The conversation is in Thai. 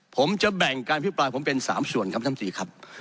ผมจะแบ่งการพิปรายผมเป็น๓ส่วนครับท่านตีครับ